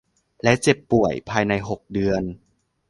และเจ็บป่วยภายใน หก เดือน